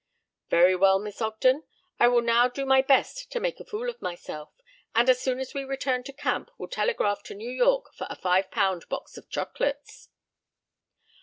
"Very well, Miss Ogden, I will now do my best to make a fool of myself, and as soon as we return to camp will telegraph to New York for a five pound box of chocolates."